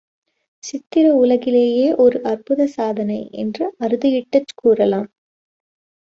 சித்திர உலகிலேயே ஒரு அற்புத சாதனை என்று அறுதியிட்டுக் கூறலாம்.